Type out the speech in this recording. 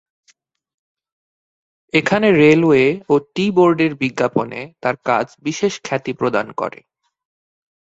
এখানে "রেলওয়ে" ও "tea board" -এর বিজ্ঞাপনে তার কাজ বিশেষ খ্যাতি প্রদান করে।